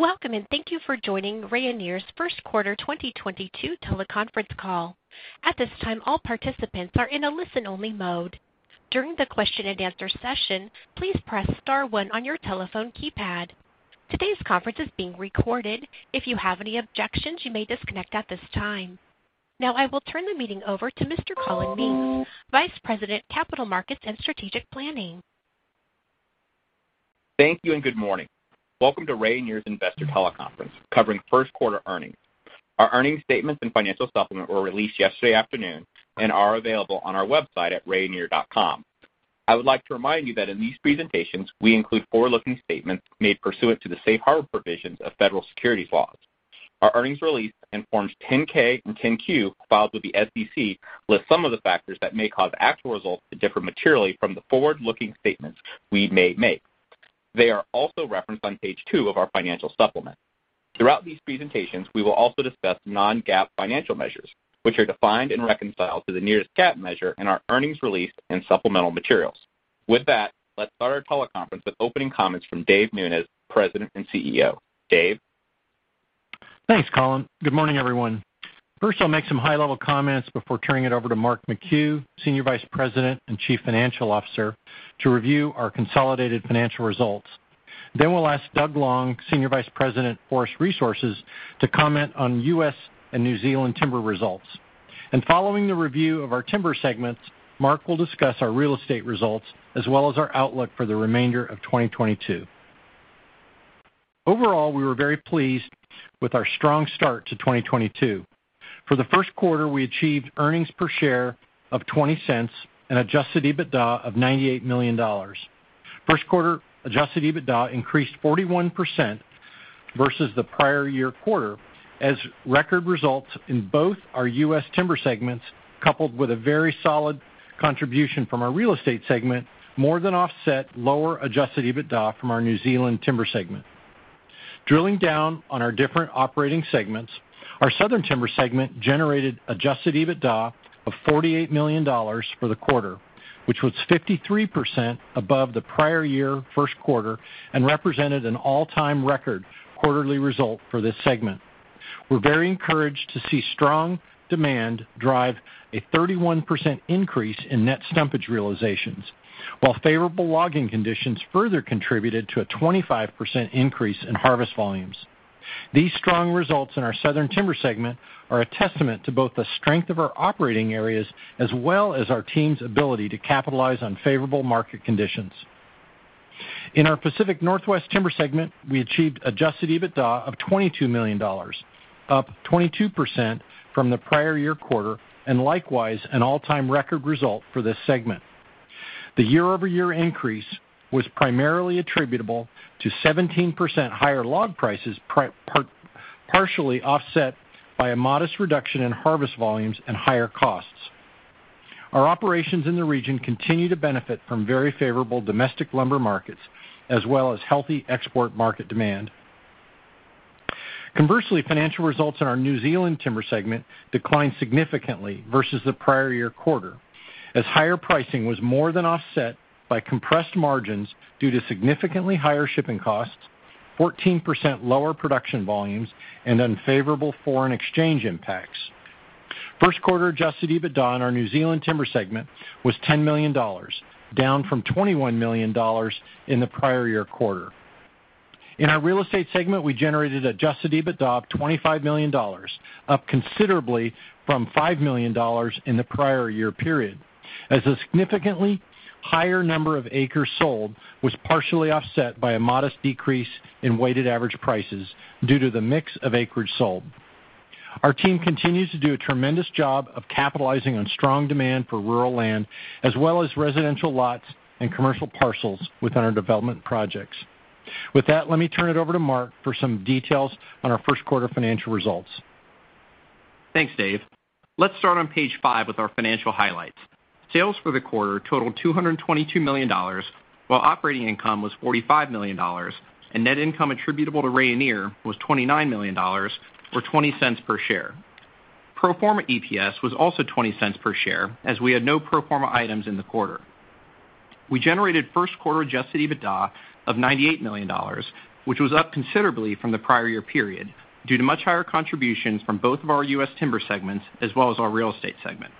Welcome, and thank you for joining Rayonier's first quarter 2022 teleconference call. At this time, all participants are in a listen-only mode. During the question and answer session, please press star one on your telephone keypad. Today's conference is being recorded. If you have any objections, you may disconnect at this time. Now, I will turn the meeting over to Mr. Collin Mings, Vice President, Capital Markets and Strategic Planning. Thank you, and good morning. Welcome to Rayonier's Investor Teleconference Conference covering first quarter earnings. Our earnings statements and financial supplement were released yesterday afternoon and are available on our website at rayonier.com. I would like to remind you that in these presentations, we include forward-looking statements made pursuant to the safe harbor provisions of federal securities laws. Our earnings release in forms 10-K and 10-Q filed with the SEC list some of the factors that may cause actual results to differ materially from the forward-looking statements we may make. They are also referenced on page two of our financial supplement. Throughout these presentations, we will also discuss non-GAAP financial measures, which are defined and reconciled to the nearest GAAP measure in our earnings release and supplemental materials. With that, let's start our teleconference with opening comments from David Nunes, President and CEO. Dave? Thanks, Collin. Good morning, everyone. First, I'll make some high-level comments before turning it over to Mark McHugh, Senior Vice President and Chief Financial Officer, to review our consolidated financial results. We'll ask Doug Long, Senior Vice President, Forest Resources, to comment on U.S. and New Zealand timber results. Following the review of our timber segments, Mark will discuss our real estate results as well as our outlook for the remainder of 2022. Overall, we were very pleased with our strong start to 2022. For the first quarter, we achieved earnings per share of $0.20 and adjusted EBITDA of $98 million. First quarter adjusted EBITDA increased 41% versus the prior year quarter as record results in both our U.S. Timber segments, coupled with a very solid contribution from our Real Estate segment, more than offset lower adjusted EBITDA from our New Zealand Timber segment. Drilling down on our different operating segments, our Southern Timber segment generated adjusted EBITDA of $48 million for the quarter, which was 53% above the prior year first quarter and represented an all-time record quarterly result for this segment. We're very encouraged to see strong demand drive a 31% increase in net stumpage realizations, while favorable logging conditions further contributed to a 25% increase in harvest volumes. These strong results in our Southern Timber segment are a testament to both the strength of our operating areas as well as our team's ability to capitalize on favorable market conditions. In our Pacific Northwest Timber segment, we achieved adjusted EBITDA of $22 million, up 22% from the prior year quarter and likewise an all-time record result for this segment. The year-over-year increase was primarily attributable to 17% higher log prices partially offset by a modest reduction in harvest volumes and higher costs. Our operations in the region continue to benefit from very favorable domestic lumber markets as well as healthy export market demand. Conversely, financial results in our New Zealand Timber segment declined significantly versus the prior year quarter, as higher pricing was more than offset by compressed margins due to significantly higher shipping costs, 14% lower production volumes, and unfavorable foreign exchange impacts. First quarter adjusted EBITDA on our New Zealand Timber segment was $10 million, down from $21 million in the prior year quarter. In our Real Estate segment, we generated adjusted EBITDA of $25 million, up considerably from $5 million in the prior year period, as a significantly higher number of acres sold was partially offset by a modest decrease in weighted average prices due to the mix of acreage sold. Our team continues to do a tremendous job of capitalizing on strong demand for rural land as well as residential lots and commercial parcels within our development projects. With that, let me turn it over to Mark for some details on our first quarter financial results. Thanks, Dave. Let's start on page 5 with our financial highlights. Sales for the quarter totaled $222 million, while operating income was $45 million, and net income attributable to Rayonier was $29 million or $0.20 per share. Pro forma EPS was also $0.20 per share as we had no pro forma items in the quarter. We generated first quarter adjusted EBITDA of $98 million, which was up considerably from the prior year period due to much higher contributions from both of our U.S. timber segments as well as our Real Estate segment.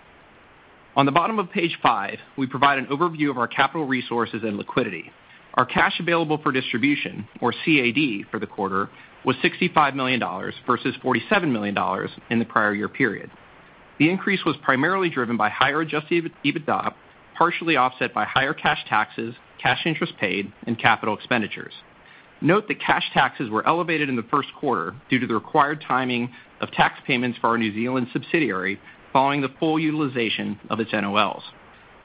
On the bottom of page 5, we provide an overview of our capital resources and liquidity. Our cash available for distribution or CAD for the quarter was $65 million versus $47 million in the prior year period. The increase was primarily driven by higher adjusted EBITDA, partially offset by higher cash taxes, cash interest paid, and capital expenditures. Note that cash taxes were elevated in the first quarter due to the required timing of tax payments for our New Zealand subsidiary following the full utilization of its NOLs.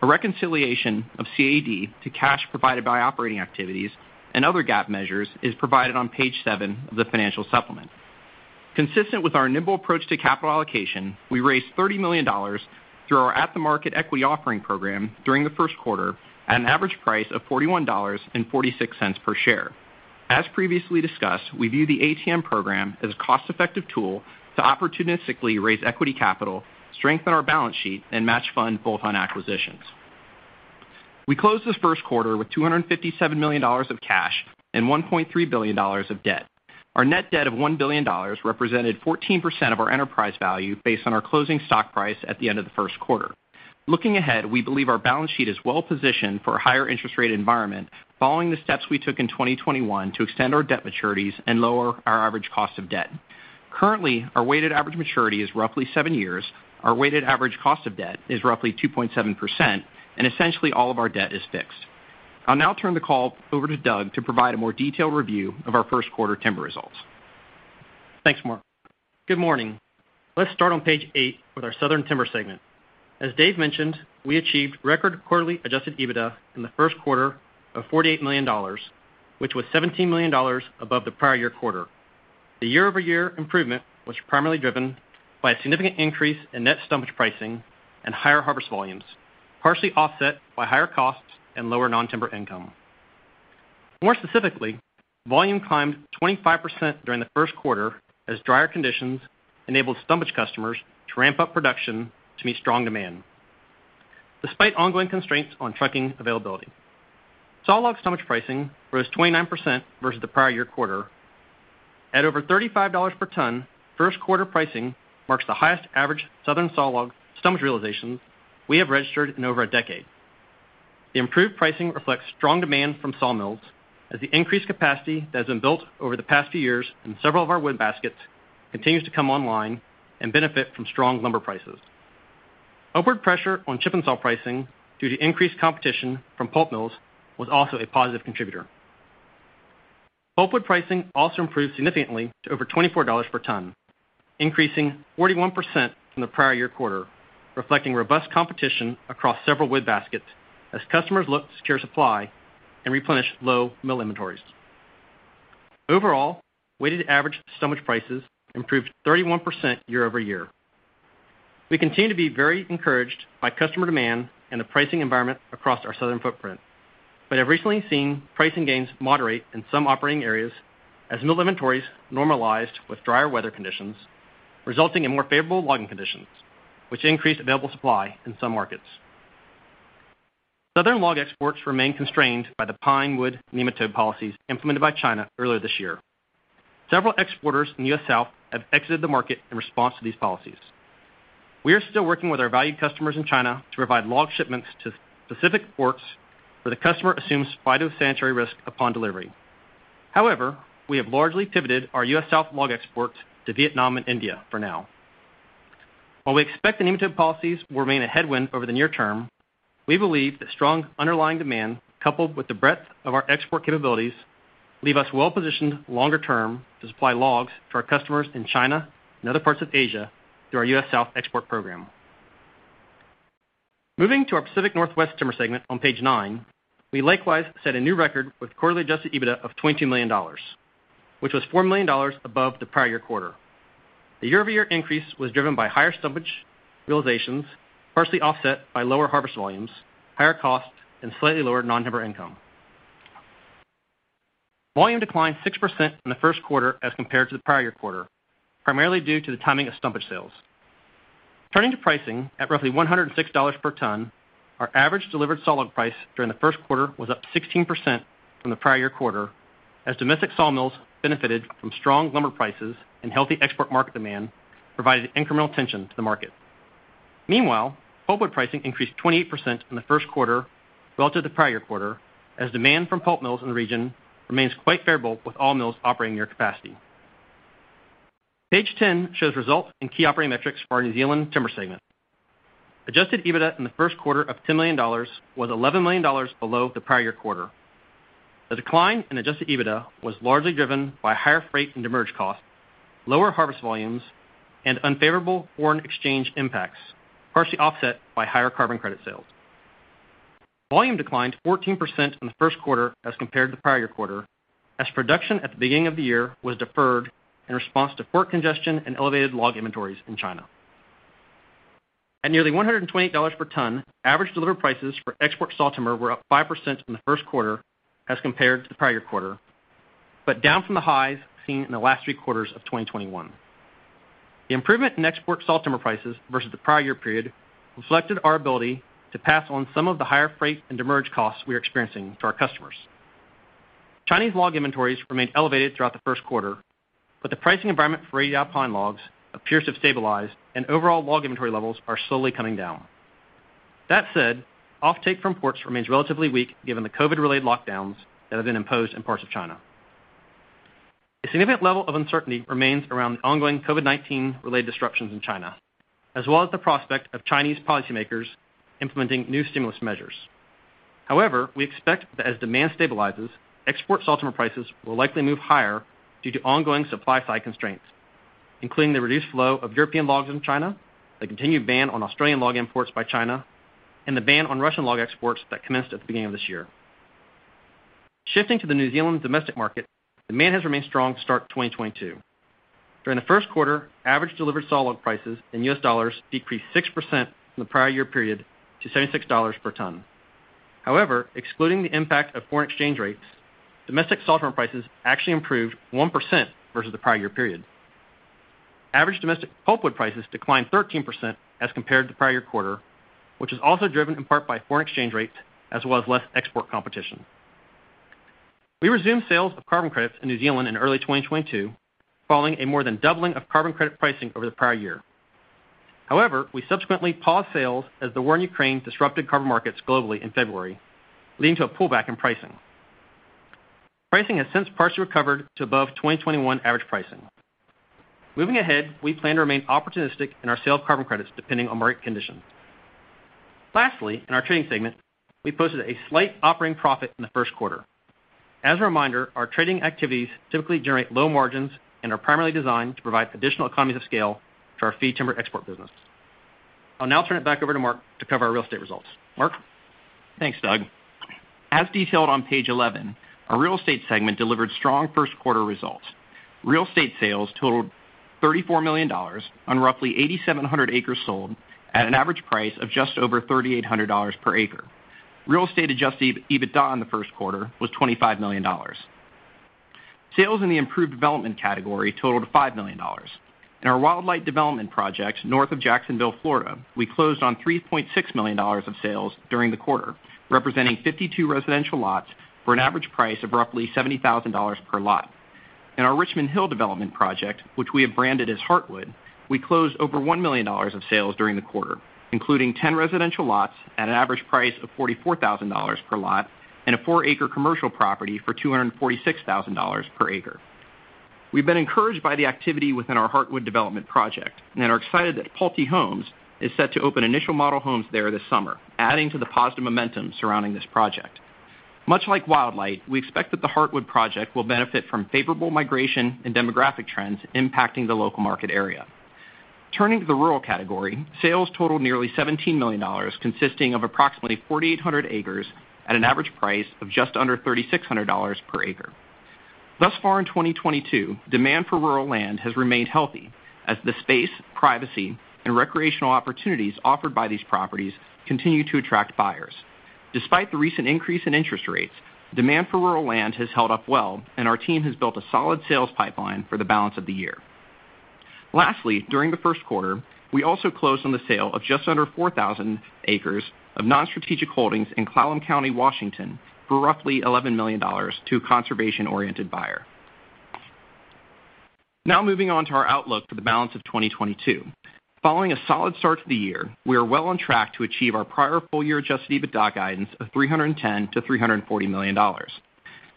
A reconciliation of CAD to cash provided by operating activities and other GAAP measures is provided on page 7 of the financial supplement. Consistent with our nimble approach to capital allocation, we raised $30 million through our at-the-market equity offering program during the first quarter at an average price of $41.46 per share. As previously discussed, we view the ATM program as a cost-effective tool to opportunistically raise equity capital, strengthen our balance sheet, and match fund both on acquisitions. We closed this first quarter with $257 million of cash and $1.3 billion of debt. Our net debt of $1 billion represented 14% of our enterprise value based on our closing stock price at the end of the first quarter. Looking ahead, we believe our balance sheet is well-positioned for a higher interest rate environment following the steps we took in 2021 to extend our debt maturities and lower our average cost of debt. Currently, our weighted average maturity is roughly 7 years, our weighted average cost of debt is roughly 2.7%, and essentially all of our debt is fixed. I'll now turn the call over to Doug to provide a more detailed review of our first quarter timber results. Thanks, Mark. Good morning. Let's start on page 8 with our Southern Timber segment. As Dave mentioned, we achieved record quarterly adjusted EBITDA in the first quarter of $48 million, which was $17 million above the prior year quarter. The year-over-year improvement was primarily driven by a significant increase in net stumpage pricing and higher harvest volumes, partially offset by higher costs and lower non-timber income. More specifically, volume climbed 25% during the first quarter as drier conditions enabled stumpage customers to ramp up production to meet strong demand despite ongoing constraints on trucking availability. Sawlog stumpage pricing rose 29% versus the prior year quarter. At over $35 per ton, first quarter pricing marks the highest average southern sawlog stumpage realizations we have registered in over a decade. The improved pricing reflects strong demand from sawmills as the increased capacity that has been built over the past few years in several of our wood baskets continues to come online and benefit from strong lumber prices. Upward pressure on chip-n-saw pricing due to increased competition from pulp mills was also a positive contributor. Pulpwood pricing also improved significantly to over $24 per ton, increasing 41% from the prior-year quarter, reflecting robust competition across several wood baskets as customers look to secure supply and replenish low mill inventories. Overall, weighted average stumpage prices improved 31% year-over-year. We continue to be very encouraged by customer demand and the pricing environment across our southern footprint, but have recently seen pricing gains moderate in some operating areas as mill inventories normalized with drier weather conditions, resulting in more favorable logging conditions, which increase available supply in some markets. Southern log exports remain constrained by the pine wood nematode policies implemented by China earlier this year. Several exporters in the U.S. South have exited the market in response to these policies. We are still working with our valued customers in China to provide log shipments to specific ports where the customer assumes phytosanitary risk upon delivery. However, we have largely pivoted our U.S. South log exports to Vietnam and India for now. While we expect the nematode policies will remain a headwind over the near term, we believe that strong underlying demand, coupled with the breadth of our export capabilities, leave us well-positioned longer term to supply logs to our customers in China and other parts of Asia through our U.S. South export program. Moving to our Pacific Northwest Timber segment on page 9, we likewise set a new record with quarterly adjusted EBITDA of $20 million, which was $4 million above the prior year quarter. The year-over-year increase was driven by higher stumpage realizations, partially offset by lower harvest volumes, higher cost, and slightly lower non-timber income. Volume declined 6% in the first quarter as compared to the prior quarter, primarily due to the timing of stumpage sales. Turning to pricing at roughly $106 per ton, our average delivered solid price during the first quarter was up 16% from the prior year quarter, as domestic sawmills benefited from strong lumber prices and healthy export market demand, providing incremental tension to the market. Meanwhile, pulpwood pricing increased 28% in the first quarter relative to the prior quarter, as demand from pulp mills in the region remains quite favorable with all mills operating near capacity. Page 10 shows results in key operating metrics for our New Zealand Timber segment. Adjusted EBITDA in the first quarter of $10 million was $11 million below the prior year quarter. The decline in adjusted EBITDA was largely driven by higher freight and demurrage costs, lower harvest volumes, and unfavorable foreign exchange impacts, partially offset by higher carbon credit sales. Volume declined 14% in the first quarter as compared to the prior quarter, as production at the beginning of the year was deferred in response to port congestion and elevated log inventories in China. At nearly $128 per ton, average delivered prices for export sawtimber were up 5% in the first quarter as compared to the prior quarter, but down from the highs seen in the last three quarters of 2021. The improvement in export sawtimber prices versus the prior year period reflected our ability to pass on some of the higher freight and demurrage costs we are experiencing to our customers. Chinese log inventories remained elevated throughout the first quarter, but the pricing environment for radiata pine logs appears to have stabilized and overall log inventory levels are slowly coming down. That said, offtake from ports remains relatively weak given the COVID-related lockdowns that have been imposed in parts of China. A significant level of uncertainty remains around the ongoing COVID-19-related disruptions in China, as well as the prospect of Chinese policymakers implementing new stimulus measures. However, we expect that as demand stabilizes, export sawtimber prices will likely move higher due to ongoing supply-side constraints, including the reduced flow of European logs in China, the continued ban on Australian log imports by China, and the ban on Russian log exports that commenced at the beginning of this year. Shifting to the New Zealand domestic market, demand has remained strong to start 2022. During the first quarter, average delivered sawlog prices in U.S. dollars decreased 6% from the prior year period to $76 per ton. However, excluding the impact of foreign exchange rates, domestic sawtimber prices actually improved 1% versus the prior year period. Average domestic pulpwood prices declined 13% as compared to the prior quarter, which is also driven in part by foreign exchange rates, as well as less export competition. We resumed sales of carbon credits in New Zealand in early 2022, following a more than doubling of carbon credit pricing over the prior year. However, we subsequently paused sales as the war in Ukraine disrupted carbon markets globally in February, leading to a pullback in pricing. Pricing has since partially recovered to above 2021 average pricing. Moving ahead, we plan to remain opportunistic in our sale of carbon credits depending on market conditions. Lastly, in our trading segment, we posted a slight operating profit in the first quarter. As a reminder, our trading activities typically generate low margins and are primarily designed to provide additional economies of scale to our fee timber export business. I'll now turn it back over to Mark to cover our Real Estate results. Mark? Thanks, Doug. As detailed on page 11, our Real Estate segment delivered strong first quarter results. Real Estate sales totaled $34 million on roughly 8,700 acres sold at an average price of just over $3,800 per acre. Real Estate adjusted EBITDA in the first quarter was $25 million. Sales in the improved development category totaled $5 million. In our Wildlight development project, north of Jacksonville, Florida, we closed on $3.6 million of sales during the quarter, representing 52 residential lots for an average price of roughly $70,000 per lot. In our Richmond Hill development project, which we have branded as Heartwood, we closed over $1 million of sales during the quarter, including 10 residential lots at an average price of $44,000 per lot and a 4-acre commercial property for $246,000 per acre. We've been encouraged by the activity within our Heartwood development project and are excited that Pulte Homes is set to open initial model homes there this summer, adding to the positive momentum surrounding this project. Much like Wildlight, we expect that the Heartwood project will benefit from favorable migration and demographic trends impacting the local market area. Turning to the rural category, sales totaled nearly $17 million, consisting of approximately 4,800 acres at an average price of just under $3,600 per acre. Thus far in 2022, demand for rural land has remained healthy as the space, privacy, and recreational opportunities offered by these properties continue to attract buyers. Despite the recent increase in interest rates, demand for rural land has held up well, and our team has built a solid sales pipeline for the balance of the year. Lastly, during the first quarter, we also closed on the sale of just under 4,000 acres of non-strategic holdings in Clallam County, Washington, for roughly $11 million to a conservation-oriented buyer. Now moving on to our outlook for the balance of 2022. Following a solid start to the year, we are well on track to achieve our prior full-year adjusted EBITDA guidance of $310 million-$340 million.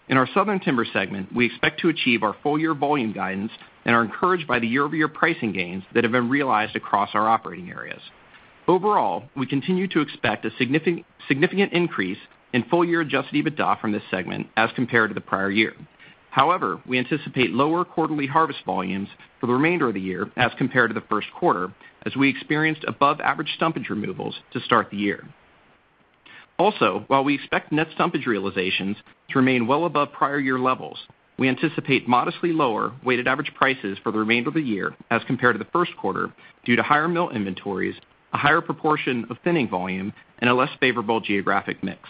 In our Southern Timber segment, we expect to achieve our full-year volume guidance and are encouraged by the year-over-year pricing gains that have been realized across our operating areas. Overall, we continue to expect a significant increase in full-year adjusted EBITDA from this segment as compared to the prior year. However, we anticipate lower quarterly harvest volumes for the remainder of the year as compared to the first quarter, as we experienced above-average salvage removals to start the year. Also, while we expect net stumpage realizations to remain well above prior year levels, we anticipate modestly lower weighted average prices for the remainder of the year as compared to the first quarter due to higher mill inventories, a higher proportion of thinning volume, and a less favorable geographic mix.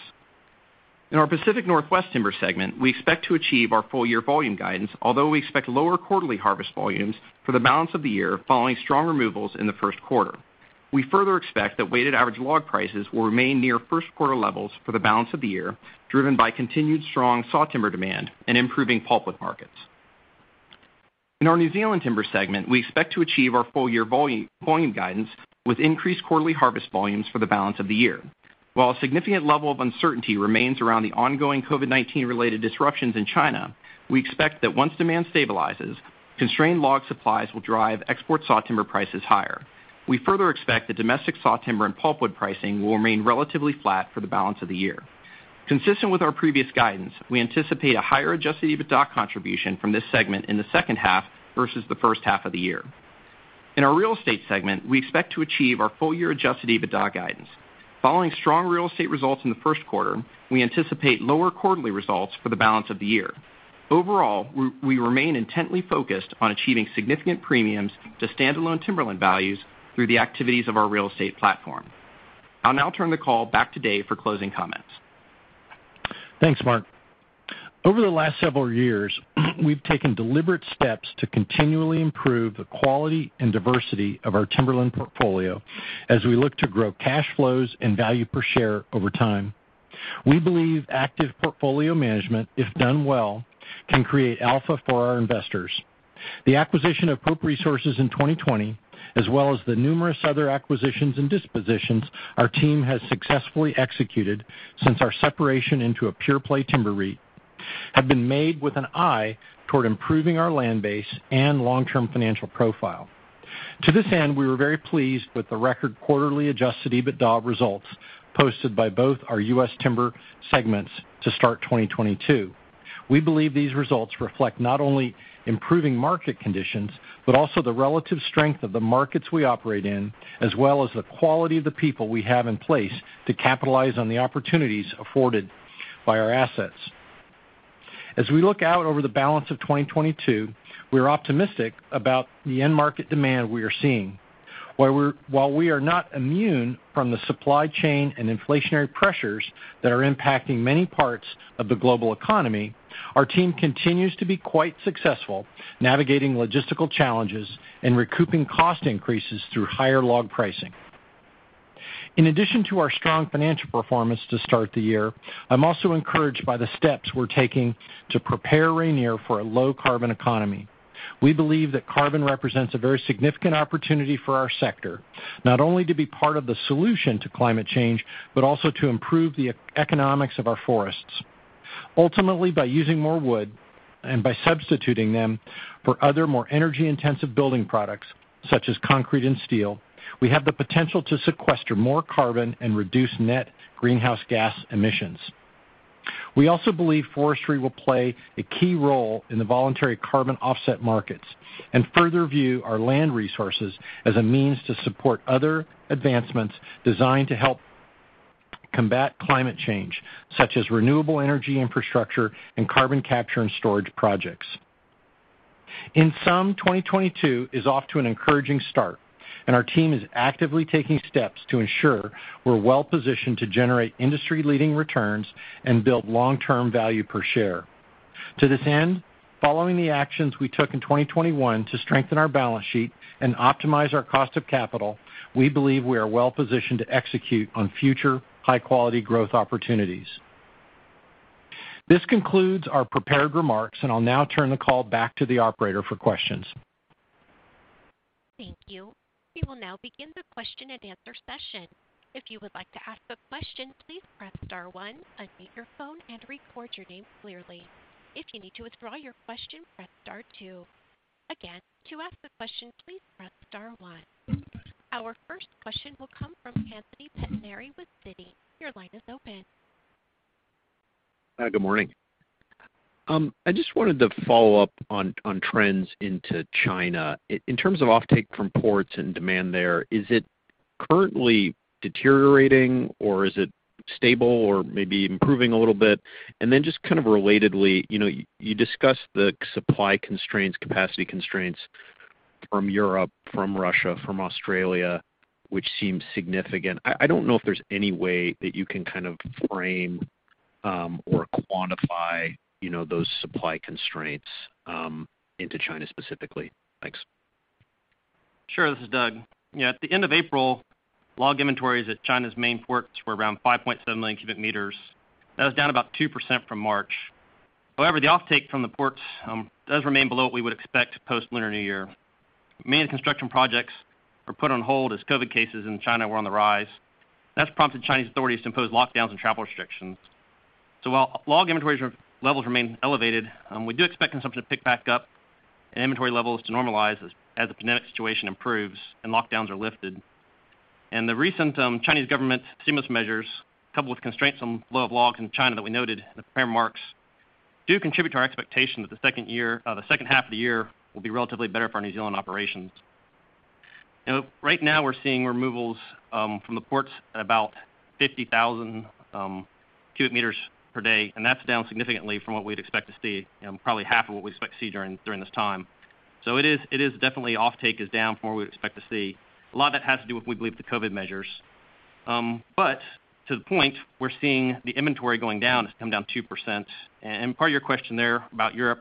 In our Pacific Northwest Timber segment, we expect to achieve our full-year volume guidance, although we expect lower quarterly harvest volumes for the balance of the year following strong removals in the first quarter. We further expect that weighted average log prices will remain near first quarter levels for the balance of the year, driven by continued strong sawtimber demand and improving pulpwood markets. In our New Zealand Timber segment, we expect to achieve our full-year volume guidance with increased quarterly harvest volumes for the balance of the year. While a significant level of uncertainty remains around the ongoing COVID-19-related disruptions in China, we expect that once demand stabilizes, constrained log supplies will drive export sawtimber prices higher. We further expect that domestic sawtimber and pulpwood pricing will remain relatively flat for the balance of the year. Consistent with our previous guidance, we anticipate a higher-adjusted EBITDA contribution from this segment in the second half versus the first half of the year. In our Real Estate segment, we expect to achieve our full-year adjusted EBITDA guidance. Following strong real estate results in the first quarter, we anticipate lower quarterly results for the balance of the year. Overall, we remain intently focused on achieving significant premiums to standalone timberland values through the activities of our real estate platform. I'll now turn the call back to Dave for closing comments. Thanks, Mark. Over the last several years, we've taken deliberate steps to continually improve the quality and diversity of our timberland portfolio as we look to grow cash flows and value per share over time. We believe active portfolio management, if done well, can create alpha for our investors. The acquisition of Pope Resources in 2020, as well as the numerous other acquisitions and dispositions our team has successfully executed since our separation into a pure-play timber REIT, have been made with an eye toward improving our land base and long-term financial profile. To this end, we were very pleased with the record quarterly-adjusted EBITDA results posted by both our U.S. Timber segments to start 2022. We believe these results reflect not only improving market conditions, but also the relative strength of the markets we operate in, as well as the quality of the people we have in place to capitalize on the opportunities afforded by our assets. As we look out over the balance of 2022, we're optimistic about the end market demand we are seeing. While we are not immune from the supply chain and inflationary pressures that are impacting many parts of the global economy, our team continues to be quite successful navigating logistical challenges and recouping cost increases through higher log pricing. In addition to our strong financial performance to start the year, I'm also encouraged by the steps we're taking to prepare Rayonier for a low carbon economy. We believe that carbon represents a very significant opportunity for our sector, not only to be part of the solution to climate change, but also to improve the economics of our forests. Ultimately, by using more wood and by substituting them for other more energy-intensive building products, such as concrete and steel, we have the potential to sequester more carbon and reduce net greenhouse gas emissions. We also believe forestry will play a key role in the voluntary carbon offset markets and further view our land resources as a means to support other advancements designed to help combat climate change, such as renewable energy infrastructure and Carbon Capture and Storage projects. In sum, 2022 is off to an encouraging start, and our team is actively taking steps to ensure we're well-positioned to generate industry-leading returns and build long-term value per share. To this end, following the actions we took in 2021 to strengthen our balance sheet and optimize our cost of capital, we believe we are well-positioned to execute on future high-quality growth opportunities. This concludes our prepared remarks, and I'll now turn the call back to the operator for questions. Thank you. We will now begin the question-and-answer session. If you would like to ask a question, please press star one, unmute your phone, and record your name clearly. If you need to withdraw your question, press star two. Again, to ask a question, please press star one. Our first question will come from Anthony Pettinari with Citi. Your line is open. Good morning. I just wanted to follow up on trends into China. In terms of offtake from ports and demand there, is it currently deteriorating, or is it stable or maybe improving a little bit? Then just kind of relatedly, you know, you discussed the supply constraints, capacity constraints from Europe, from Russia, from Australia, which seems significant. I don't know if there's any way that you can kind of frame or quantify, you know, those supply constraints into China specifically. Thanks. Sure. This is Doug. Yeah, at the end of April, log inventories at China's main ports were around 5.7 million cubic meters. That was down about 2% from March. However, the offtake from the ports does remain below what we would expect post-Lunar New Year. Many construction projects were put on hold as COVID cases in China were on the rise. That's prompted Chinese authorities to impose lockdowns and travel restrictions. While log inventories levels remain elevated, we do expect consumption to pick back up and inventory levels to normalize as the pandemic situation improves and lockdowns are lifted. The recent Chinese government stimulus measures, coupled with constraints on flow of logs into China that we noted in the prepared remarks, do contribute to our expectation that the second half of the year will be relatively better for our New Zealand operations. You know, right now we're seeing removals from the ports at about 50,000 cubic meters per day, and that's down significantly from what we'd expect to see, probably half of what we expect to see during this time. It is definitely offtake is down from what we would expect to see. A lot of that has to do with, we believe, the COVID measures. To the point, we're seeing the inventory going down. It's come down 2%. Part of your question there about Europe,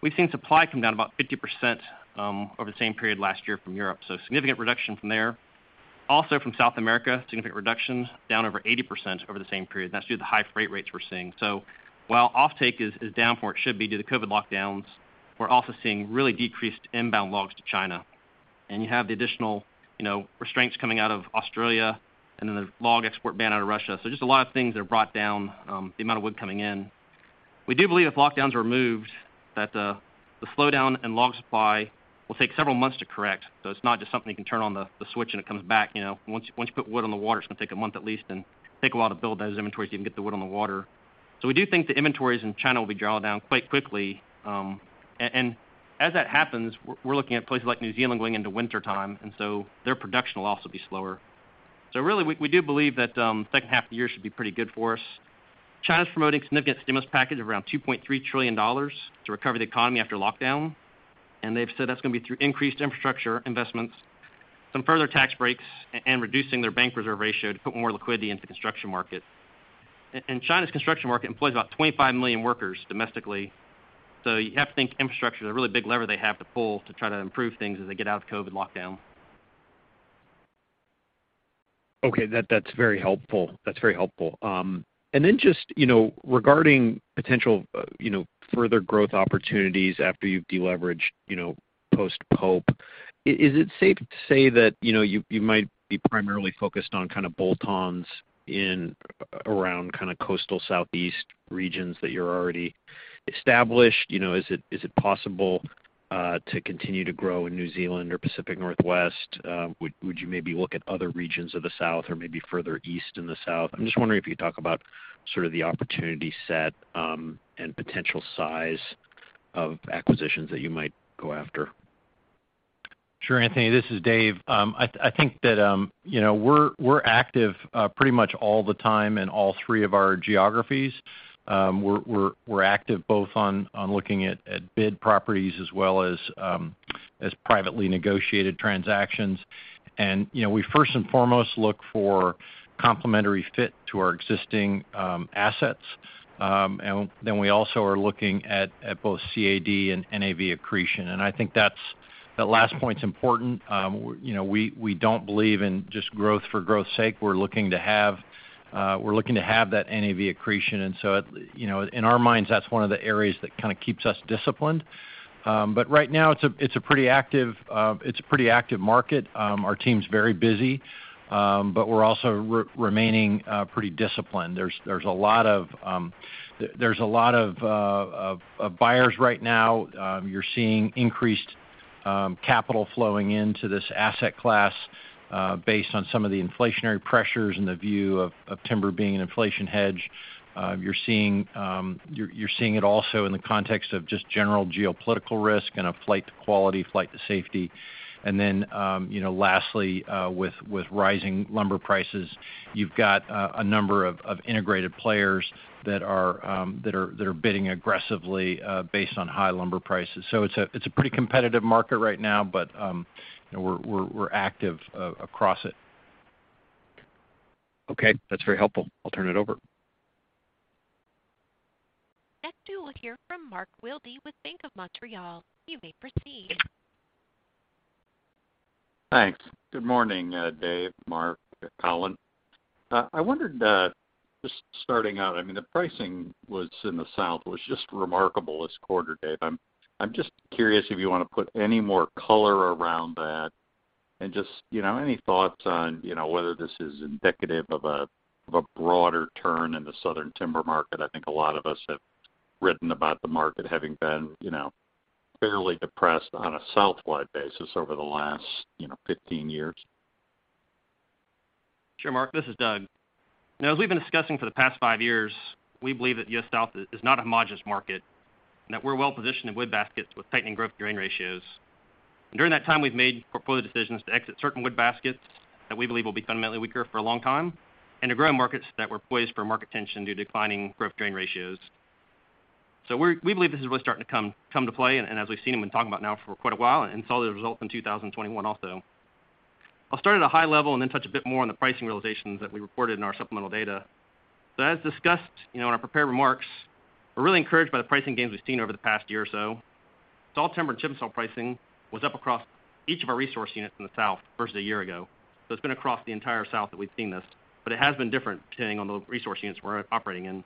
we've seen supply come down about 50% over the same period last year from Europe, so significant reduction from there. Also from South America, significant reduction, down over 80% over the same period. That's due to the high freight rates we're seeing. So while offtake is down from where it should be due to COVID lockdowns, we're also seeing really decreased inbound logs to China. You have the additional, you know, restraints coming out of Australia and then the log export ban out of Russia. So just a lot of things that have brought down the amount of wood coming in. We do believe if lockdowns are removed, that the slowdown in log supply will take several months to correct. It's not just something you can turn on the switch and it comes back, you know. Once you put wood on the water, it's gonna take a month at least and take a while to build those inventories so you can get the wood on the water. We do think the inventories in China will be drawn down quite quickly. And as that happens, we're looking at places like New Zealand going into wintertime, and so their production will also be slower. Really we do believe that the second half of the year should be pretty good for us. China's promoting significant stimulus package of around $2.3 trillion to recover the economy after lockdown, and they've said that's gonna be through increased infrastructure investments, some further tax breaks and reducing their bank reserve ratio to put more liquidity into the construction market. China's construction market employs about 25 million workers domestically, so you have to think infrastructure is a really big lever they have to pull to try to improve things as they get out of the COVID lockdown. Okay. That's very helpful. And then just, you know, regarding potential, you know, further growth opportunities after you've de-leveraged, you know, post-Pope, is it safe to say that, you know, you might be primarily focused on kind of bolt-ons in around kind of coastal Southeast regions that you're already established? You know, is it possible to continue to grow in New Zealand or Pacific Northwest? Would you maybe look at other regions of the South or maybe further east in the South? I'm just wondering if you could talk about sort of the opportunity set and potential size of acquisitions that you might go after. Sure, Anthony, this is Dave. I think that, you know, we're active pretty much all the time in all three of our geographies. We're active both on looking at bid properties as well as privately negotiated transactions. You know, we first and foremost look for complementary fit to our existing assets. We also are looking at both CAD and NAV accretion. I think that last point's important. You know, we don't believe in just growth for growth's sake. We're looking to have that NAV accretion. You know, in our minds, that's one of the areas that kind of keeps us disciplined. Right now it's a pretty active market. Our team's very busy, but we're also remaining pretty disciplined. There's a lot of buyers right now. You're seeing increased capital flowing into this asset class based on some of the inflationary pressures and the view of timber being an inflation hedge. You're seeing it also in the context of just general geopolitical risk and a flight to quality, flight to safety. You know, lastly, with rising lumber prices, you've got a number of integrated players that are bidding aggressively based on high lumber prices. It's a pretty competitive market right now, but you know, we're active across it. Okay, that's very helpful. I'll turn it over. Next, we'll hear from Mark Wilde with BMO Capital Markets. You may proceed. Thanks. Good morning, Dave, Mark, Collin. I wondered, just starting out, I mean, the pricing in the South was just remarkable this quarter, Dave. I'm just curious if you wanna put any more color around that. Just, you know, any thoughts on, you know, whether this is indicative of a broader turn in the Southern timber market. I think a lot of us have written about the market having been, you know, fairly depressed on a South-wide basis over the last, you know, 15 years. Sure, Mark, this is Doug. Now as we've been discussing for the past 5 years, we believe that U.S. South is not a homogeneous market, and that we're well positioned in wood baskets with tightening growth-to-drain ratios. During that time, we've made portfolio decisions to exit certain wood baskets that we believe will be fundamentally weaker for a long time, and to grow in markets that were poised for market tension due to declining growth-to-drain ratios. We believe this is really starting to come to play, and as we've seen them and talked about now for quite a while, and saw the results in 2021 also. I'll start at a high level and then touch a bit more on the pricing realizations that we reported in our supplemental data. As discussed, you know, in our prepared remarks, we're really encouraged by the pricing gains we've seen over the past year or so. Sawtimber and chip-n-saw pricing was up across each of our resource units in the South versus a year ago. It's been across the entire South that we've seen this, but it has been different depending on the resource units we're operating in.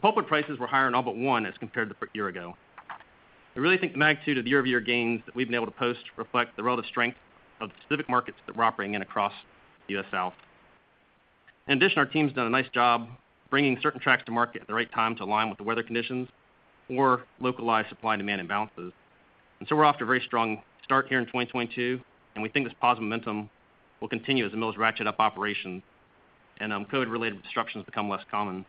Pulpwood prices were higher in all but one as compared to a year ago. I really think the magnitude of the year-over-year gains that we've been able to post reflect the relative strength of the specific markets that we're operating in across the U.S. South. In addition, our team's done a nice job bringing certain tracts to market at the right time to align with the weather conditions or localized supply and demand imbalances. We're off to a very strong start here in 2022, and we think this positive momentum will continue as the mills ratchet up operations and COVID-related disruptions become less common.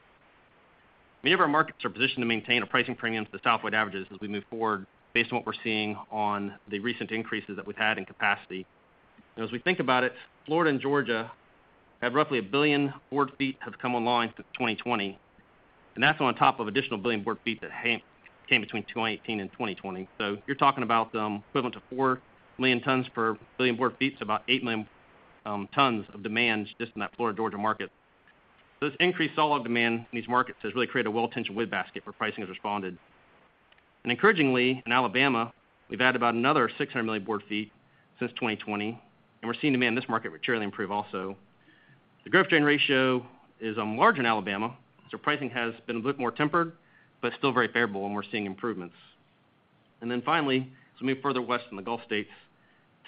Many of our markets are positioned to maintain a pricing premium to the Southwide averages as we move forward based on what we're seeing on the recent increases that we've had in capacity. As we think about it, Florida and Georgia have roughly 1 billion board ft come online since 2020. That's on top of additional 1 billion board ft that came between 2018 and 2020. You're talking about equivalent to 4 million tons per billion board ft, so about 8 million tons of demand just in that Florida, Georgia market. This increased sawlog demand in these markets has really created a well-tensioned wood basket where pricing has responded. Encouragingly, in Alabama, we've added about another 600 million board ft since 2020, and we're seeing demand in this market materially improve also. The growth-to-drain ratio is large in Alabama, so pricing has been a bit more tempered, but still very favorable, and we're seeing improvements. Then finally, as we move further west in the Gulf States,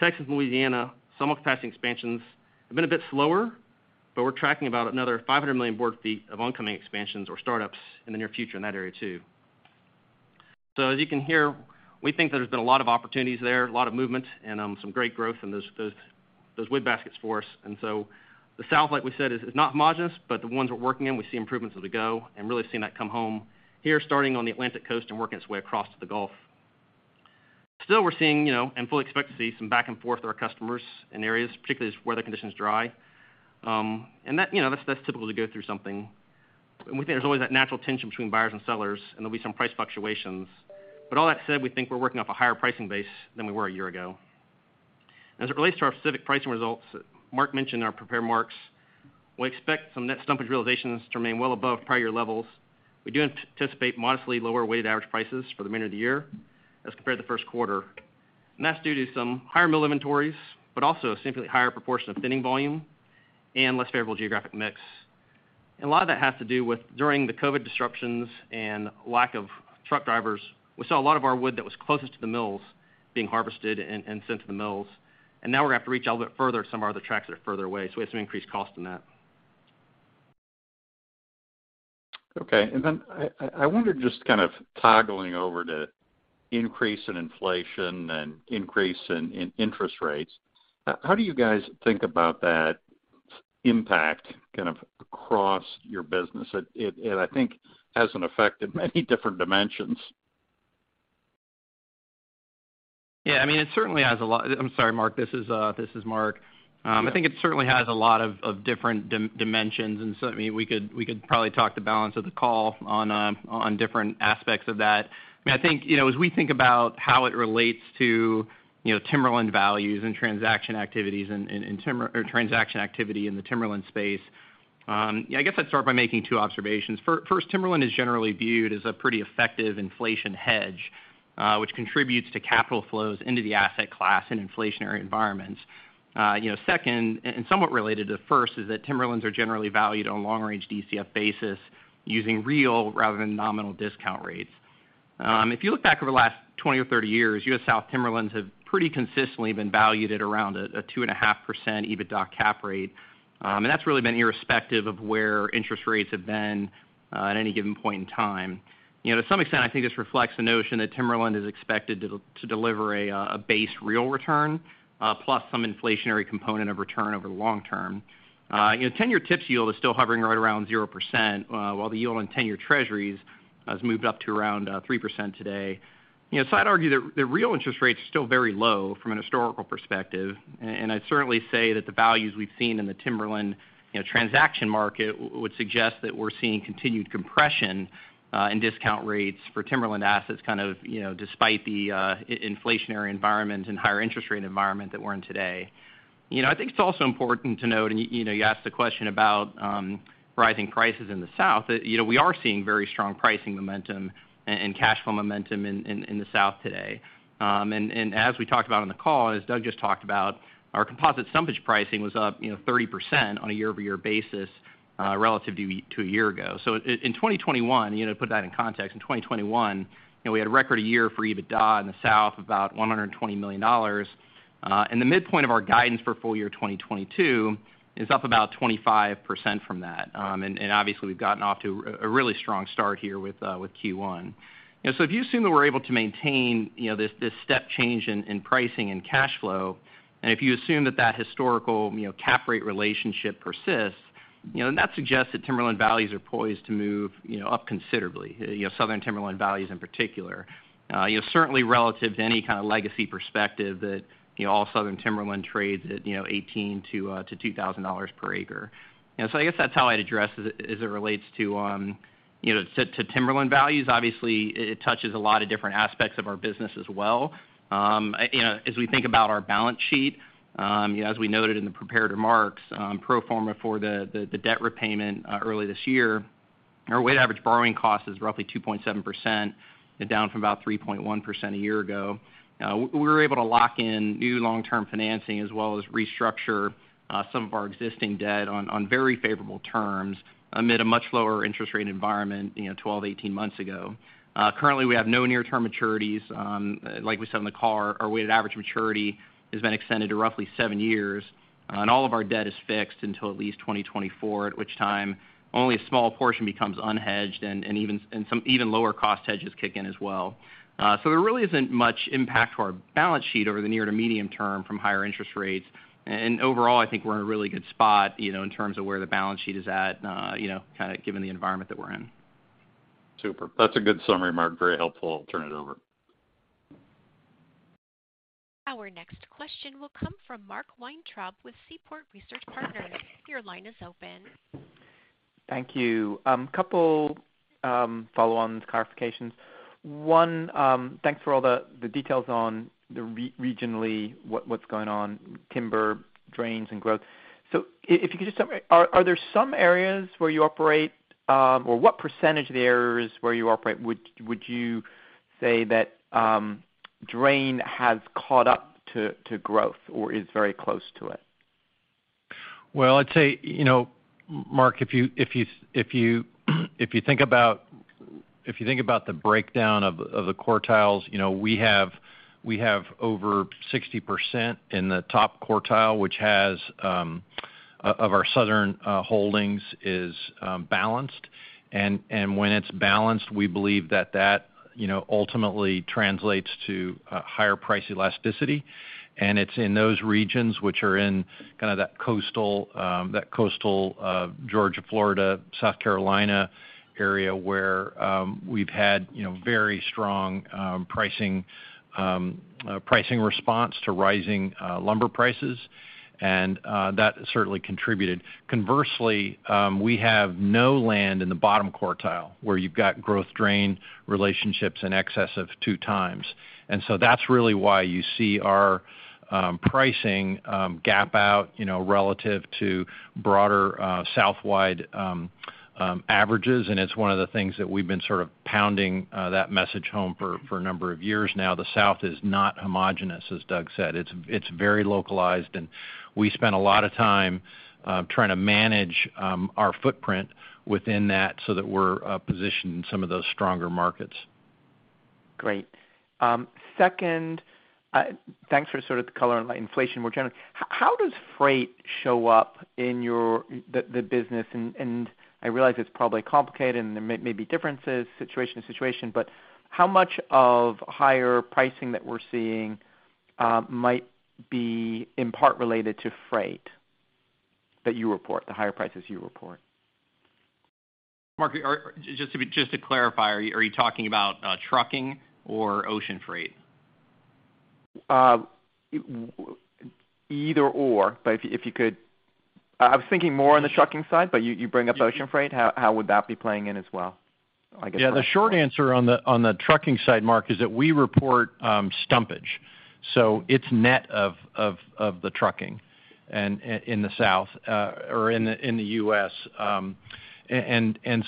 Texas, Louisiana, some of the capacity expansions have been a bit slower, but we're tracking about another 500 million board ft of oncoming expansions or startups in the near future in that area too. As you can hear, we think that there's been a lot of opportunities there, a lot of movement, and some great growth in those wood baskets for us. The South, like we said, is not homogeneous, but the ones we're working in, we see improvements as we go, and really seeing that come home here starting on the Atlantic Coast and working its way across to the Gulf. Still, we're seeing, you know, and fully expect to see some back and forth with our customers in areas, particularly as weather conditions dry. That, you know, that's typical to go through something. We think there's always that natural tension between buyers and sellers, and there'll be some price fluctuations. All that said, we think we're working off a higher pricing base than we were a year ago. As it relates to our specific pricing results, Mark mentioned in our prepared remarks, we expect some net stumpage realizations to remain well above prior year levels. We do anticipate modestly lower weighted average prices for the remainder of the year as compared to the first quarter. That's due to some higher mill inventories, but also a simply higher proportion of thinning volume and less favorable geographic mix. A lot of that has to do with during the COVID disruptions and lack of truck drivers, we saw a lot of our wood that was closest to the mills being harvested and sent to the mills. Now we're gonna have to reach out a bit further to some of our other tracts that are further away, so we have some increased cost in that. Okay. I wonder just kind of toggling over to increase in inflation and increase in interest rates. How do you guys think about that? Impact kind of across your business. It and I think has an effect in many different dimensions. I mean, it certainly has a lot. I'm sorry, Mark, this is Mark. I think it certainly has a lot of different dimensions. I mean, we could probably talk the balance of the call on different aspects of that. I mean, I think, you know, as we think about how it relates to, you know, timberland values and transaction activities and transaction activity in the timberland space, yeah, I guess I'd start by making two observations. First, timberland is generally viewed as a pretty effective inflation hedge, which contributes to capital flows into the asset class in inflationary environments. You know, second, and somewhat related to first, is that timberlands are generally valued on long-range DCF basis using real rather than nominal discount rates. If you look back over the last 20 or 30 years, U.S. South timberlands have pretty consistently been valued at around a 2.5% EBITDA cap rate. That's really been irrespective of where interest rates have been at any given point in time. You know, to some extent, I think this reflects the notion that timberland is expected to deliver a base real return plus some inflationary component of return over the long term. You know, 10-year TIPS yield is still hovering right around 0%, while the yield on 10-year Treasuries has moved up to around 3% today. I'd argue that the real interest rate is still very low from a historical perspective. I'd certainly say that the values we've seen in the timberland, you know, transaction market would suggest that we're seeing continued compression in discount rates for timberland assets kind of, you know, despite the inflationary environment and higher interest rate environment that we're in today. You know, I think it's also important to note, you know, you asked a question about rising prices in the South. You know, we are seeing very strong pricing momentum and cash flow momentum in the South today. As we talked about on the call, as Doug just talked about, our composite stumpage pricing was up, you know, 30% on a year-over-year basis relative to a year ago. In 2021, you know, to put that in context, in 2021, you know, we had a record year for EBITDA in the South, about $120 million. And the midpoint of our guidance for full year 2022 is up about 25% from that. And obviously, we've gotten off to a really strong start here with Q1. You know, if you assume that we're able to maintain, you know, this step change in pricing and cash flow, and if you assume that that historical, you know, cap rate relationship persists, you know, then that suggests that timberland values are poised to move, you know, up considerably. You know, southern timberland values in particular. You know, certainly relative to any kind of legacy perspective that, you know, all southern timberland trades at, you know, $1,800-$2,000 per acre. You know, so I guess that's how I'd address as it relates to timberland values. Obviously, it touches a lot of different aspects of our business as well. You know, as we think about our balance sheet, you know, as we noted in the prepared remarks, pro forma for the debt repayment early this year, our weighted average borrowing cost is roughly 2.7%, down from about 3.1% a year ago. We were able to lock in new long-term financing as well as restructure some of our existing debt on very favorable terms amid a much lower interest rate environment, you know, 12-18 months ago. Currently, we have no near-term maturities. Like we said on the call, our weighted average maturity has been extended to roughly 7 years, and all of our debt is fixed until at least 2024, at which time only a small portion becomes unhedged and some even lower cost hedges kick in as well. So there really isn't much impact to our balance sheet over the near to medium term from higher interest rates. Overall, I think we're in a really good spot, you know, in terms of where the balance sheet is at, you know, given the environment that we're in. Super. That's a good summary, Mark. Very helpful. I'll turn it over. Our next question will come from Mark Weintraub with Seaport Research Partners. Your line is open. Thank you. Couple follow-on clarifications. One, thanks for all the details on the regionally what's going on, timber drain and growth. If you could just tell me, are there some areas where you operate or what percentage of the areas where you operate would you say that drain has caught up to growth or is very close to it? Well, I'd say, you know, Mark, if you think about the breakdown of the quartiles, you know, we have over 60% in the top quartile, which has of our Southern holdings is balanced. When it's balanced, we believe that, you know, ultimately translates to higher price elasticity. It's in those regions which are in kind of that coastal Georgia, Florida, South Carolina area where we've had, you know, very strong pricing response to rising lumber prices, and that certainly contributed. Conversely, we have no land in the bottom quartile where you've got growth drain relationships in excess of 2x. That's really why you see our pricing gap out, you know, relative to broader South-wide averages. It's one of the things that we've been sort of pounding that message home for a number of years now. The South is not homogeneous, as Doug said. It's very localized, and we spend a lot of time trying to manage our footprint within that so that we're positioned in some of those stronger markets. Great. Second, thanks for sort of the color on inflation more generally. How does freight show up in your business and I realize it's probably complicated and there may be differences situation to situation, but how much of higher pricing that we're seeing might be in part related to freight that you report, the higher prices you report. Mark, just to clarify, are you talking about trucking or ocean freight? Either/or, but if you could, I was thinking more on the trucking side, but you bring up ocean freight. How would that be playing in as well, I guess? Yeah. The short answer on the trucking side, Mark, is that we report stumpage, so it's net of the trucking and in the South or in the U.S.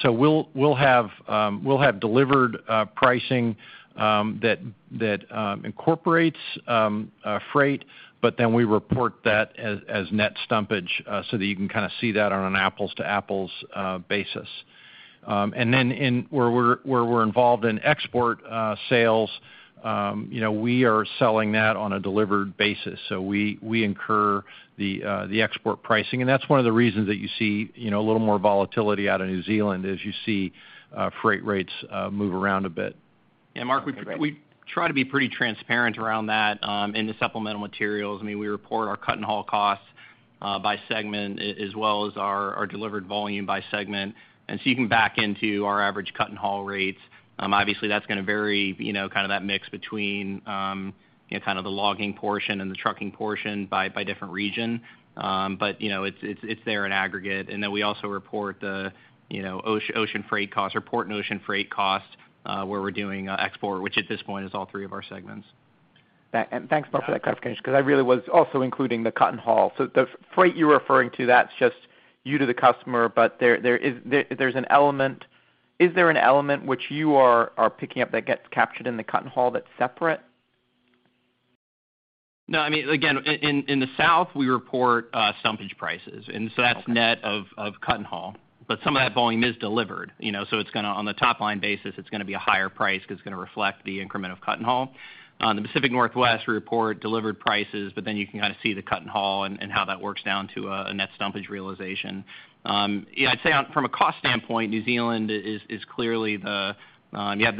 We'll have delivered pricing that incorporates freight, but then we report that as net stumpage, so that you can kinda see that on an apples to apples basis. Then, where we're involved in export sales, you know, we are selling that on a delivered basis, so we incur the export pricing. That's one of the reasons that you see, you know, a little more volatility out of New Zealand as you see freight rates move around a bit. Yeah. Mark, we try to be pretty transparent around that in the supplemental materials. I mean, we report our cut-and-haul costs by segment as well as our delivered volume by segment. You can back into our average cut-and-haul rates. Obviously that's gonna vary, you know, kind of that mix between, you know, kind of the logging portion and the trucking portion by different region. But, you know, it's there in aggregate. Then we also report the ocean freight costs where we're doing export, which at this point is all three of our segments. Thanks, Mark, for that clarification 'cause I really was also including the cut-and-haul. The freight you're referring to, that's just you to the customer, but there is an element. Is there an element which you are picking up that gets captured in the cut-and-haul that's separate? No. I mean, again, in the South, we report stumpage prices, and so that's net of cut-and-haul, but some of that volume is delivered, you know, so it's gonna be a higher price on the top-line basis 'cause it's gonna reflect the increment of cut-and-haul. The Pacific Northwest, we report delivered prices, but then you can kinda see the cut-and-haul and how that works down to a net stumpage realization. Yeah, I'd say, from a cost standpoint, New Zealand is clearly the one with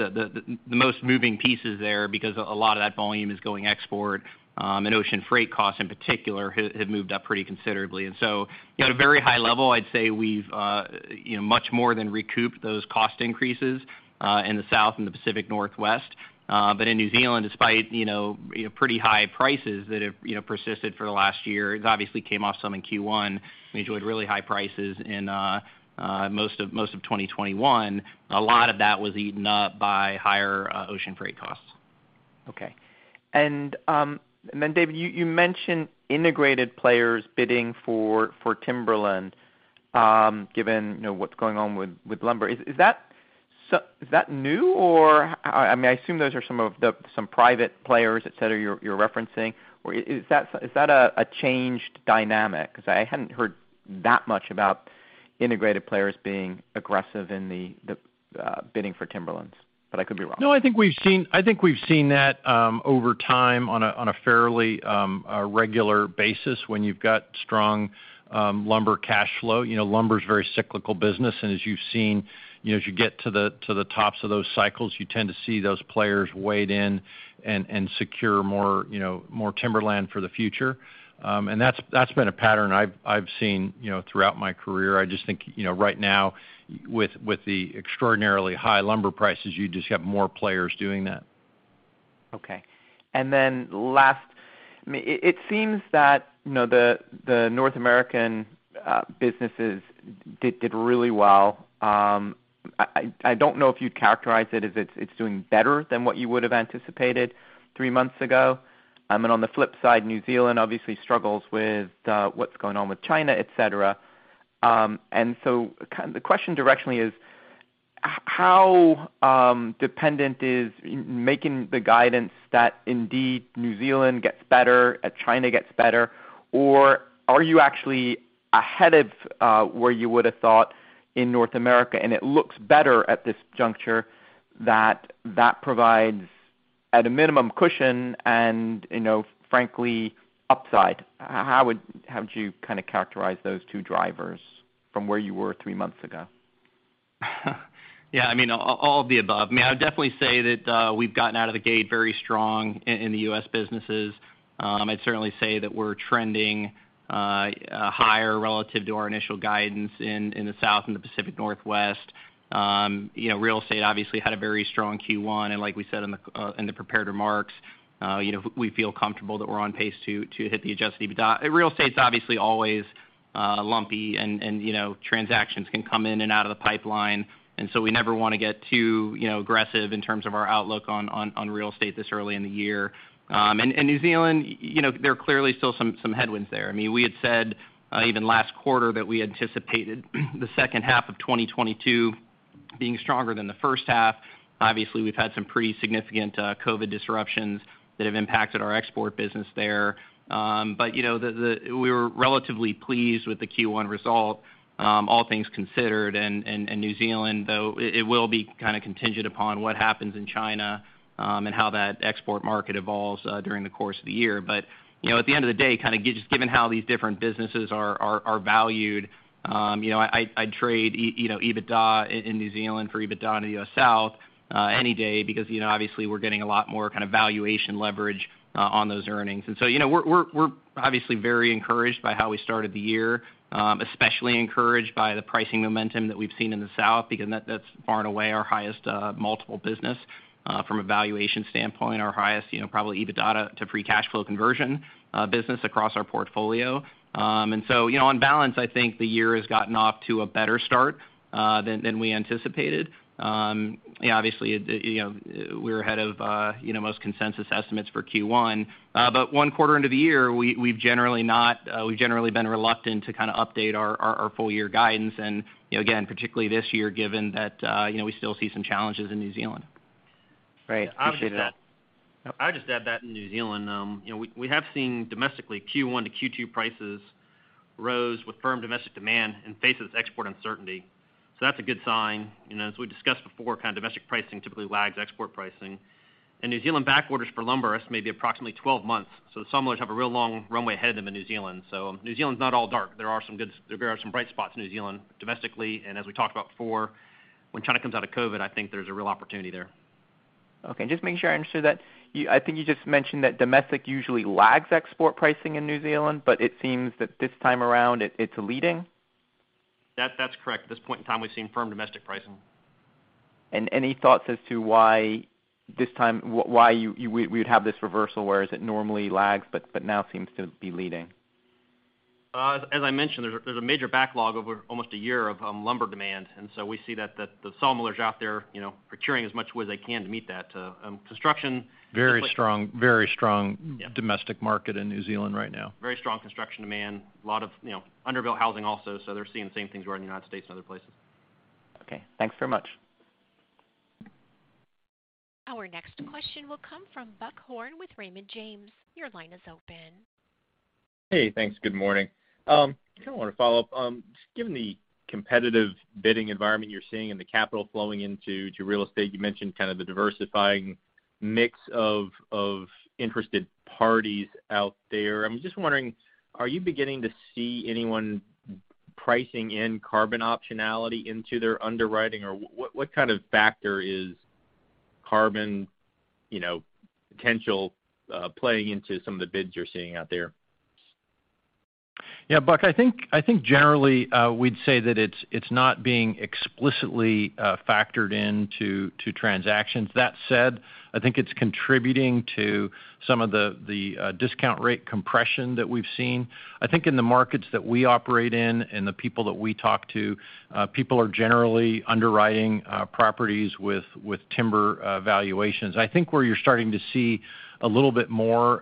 the most moving pieces there because a lot of that volume is going export, and ocean freight costs, in particular, have moved up pretty considerably. You know, at a very high level, I'd say we've you know much more than recouped those cost increases in the South and the Pacific Northwest. in New Zealand, despite you know pretty high prices that have you know persisted for the last year, it obviously came off some in Q1, we enjoyed really high prices in most of 2021. A lot of that was eaten up by higher ocean freight costs. Okay. Then David, you mentioned integrated players bidding for timberland, given, you know, what's going on with lumber. Is that new or I mean, I assume those are some private players, et cetera, you're referencing. Or is that a changed dynamic 'cause I hadn't heard that much about integrated players being aggressive in the bidding for timberlands, but I could be wrong. No, I think we've seen that over time on a fairly regular basis when you've got strong lumber cash flow. You know, lumber's a very cyclical business, and as you've seen, you know, as you get to the tops of those cycles, you tend to see those players wade in and secure more, you know, more timberland for the future. That's been a pattern I've seen, you know, throughout my career. I just think, you know, right now with the extraordinarily high lumber prices, you just have more players doing that. Last, I mean, it seems that, you know, the North American businesses did really well. I don't know if you'd characterize it as it's doing better than what you would have anticipated 3 months ago. On the flip side, New Zealand obviously struggles with what's going on with China, et cetera. The question directionally is how dependent is making the guidance that indeed New Zealand gets better and China gets better? Or are you actually ahead of where you would have thought in North America and it looks better at this juncture that provides at a minimum cushion and, you know, frankly, upside? How would you kinda characterize those two drivers from where you were 3 months ago? Yeah. I mean, all of the above. I mean, I would definitely say that we've gotten out of the gate very strong in the U.S. Businesses. I'd certainly say that we're trending higher relative to our initial guidance in the South and the Pacific Northwest. You know, Real Estate obviously had a very strong Q1, and like we said in the prepared remarks, you know, we feel comfortable that we're on pace to hit the adjusted EBITDA. Real Estate's obviously always lumpy and you know, transactions can come in and out of the pipeline, and so we never wanna get too you know, aggressive in terms of our outlook on Real Estate this early in the year. New Zealand, you know, there are clearly still some headwinds there. I mean, we had said even last quarter that we anticipated the second half of 2022 being stronger than the first half. Obviously, we've had some pretty significant COVID disruptions that have impacted our export business there. You know, we were relatively pleased with the Q1 result. All things considered and New Zealand though, it will be kind of contingent upon what happens in China and how that export market evolves during the course of the year. You know, at the end of the day, just given how these different businesses are valued, you know, I'd trade you know, EBITDA in New Zealand for EBITDA in the U.S. South any day because, you know, obviously we're getting a lot more kind of valuation leverage on those earnings. You know, we're obviously very encouraged by how we started the year, especially encouraged by the pricing momentum that we've seen in the South because that's far and away our highest multiple business from a valuation standpoint, our highest, you know, probably EBITDA to free cash flow conversion business across our portfolio. You know, on balance, I think the year has gotten off to a better start than we anticipated. Obviously, you know, we're ahead of, you know, most consensus estimates for Q1. One quarter into the year, we've generally been reluctant to kind of update our full year guidance. You know, again, particularly this year, given that, you know, we still see some challenges in New Zealand. Great. Appreciate it. I'll just add that in New Zealand, you know, we have seen domestically Q1 to Q2 prices rose with firm domestic demand in face of this export uncertainty. So that's a good sign. You know, as we discussed before, kind of domestic pricing typically lags export pricing. In New Zealand, back orders for lumber is maybe approximately 12 months, so some of those have a real long runway ahead of them in New Zealand. So New Zealand is not all dark. There are some bright spots in New Zealand domestically. As we talked about before, when China comes out of COVID, I think there's a real opportunity there. Okay. Just making sure I understood that. I think you just mentioned that domestic usually lags export pricing in New Zealand, but it seems that this time around it's leading. That's correct. At this point in time, we've seen firm domestic pricing. Any thoughts as to why we would have this reversal, whereas it normally lags but now seems to be leading? As I mentioned, there's a major backlog of almost a year of lumber demand. We see that the saw millers out there, you know, procuring as much wood they can to meet that. Very strong. Yeah. Domestic market in New Zealand right now. Very strong construction demand. A lot of, you know, under-built housing also. They're seeing the same things we are in the United States and other places. Okay. Thanks very much. Our next question will come from Buck Horne with Raymond James. Your line is open. Hey, thanks. Good morning. Kind of want to follow up. Just given the competitive bidding environment you're seeing and the capital flowing into real estate, you mentioned kind of the diversifying mix of interested parties out there. I'm just wondering, are you beginning to see anyone pricing in carbon optionality into their underwriting? What kind of factor is carbon, you know, potential playing into some of the bids you're seeing out there? Yeah, Buck, I think generally we'd say that it's not being explicitly factored into transactions. That said, I think it's contributing to some of the discount rate compression that we've seen. I think in the markets that we operate in and the people that we talk to, people are generally underwriting properties with timber valuations. I think where you're starting to see a little bit more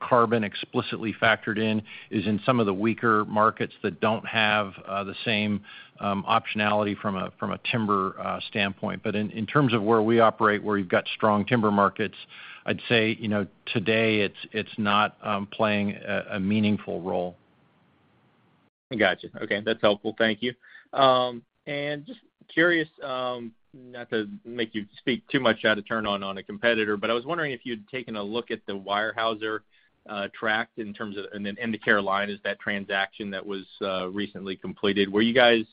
carbon explicitly factored in is in some of the weaker markets that don't have the same optionality from a timber standpoint. In terms of where we operate, where you've got strong timber markets, I'd say you know today it's not playing a meaningful role. Got you. Okay. That's helpful. Thank you. Just curious, not to make you speak too much out of turn on a competitor, but I was wondering if you'd taken a look at the Weyerhaeuser tract in terms of. In the Carolinas, that transaction that was recently completed. Were you guys